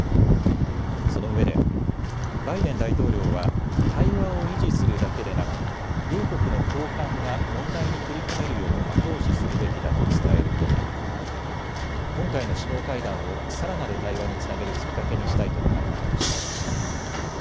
そのうえでバイデン大統領は対話を維持するだけでなく両国の高官が問題に取り組めるよう後押しするべきだと伝えると述べ、今回の首脳会談をさらなる対話につなげるきっかけにしたいとの考えを示しました。